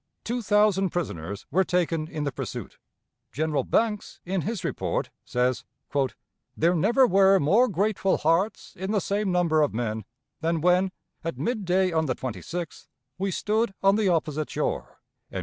Two thousand prisoners were taken in the pursuit. General Banks in his report says, "There never were more grateful hearts in the same number of men, than when, at mid day on the 26th, we stood on the opposite shore."